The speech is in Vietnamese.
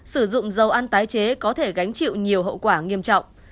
sử dụng dầu ăn tái chế có thể gánh chịu nhiều hậu quả nghiêm trọng